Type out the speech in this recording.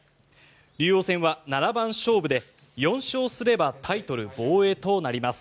竜王戦は七番勝負で４勝すればタイトル防衛となります。